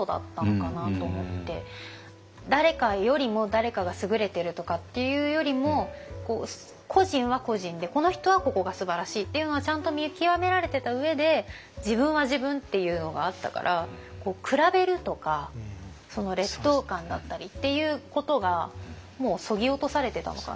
誰かよりも誰かが優れてるとかっていうよりも個人は個人でこの人はここがすばらしいっていうのはちゃんと見極められてた上で自分は自分っていうのがあったから比べるとか劣等感だったりっていうことがもうそぎ落とされてたのかな。